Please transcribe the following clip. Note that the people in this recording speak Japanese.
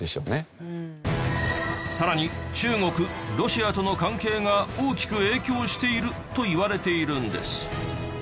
さらに中国ロシアとの関係が大きく影響しているといわれているんです。